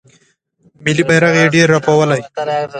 ملي بیرغ یې ډیر رپولی